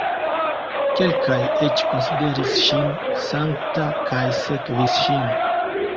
Kelkaj eĉ konsideris ŝin sankta kaj sekvis ŝin.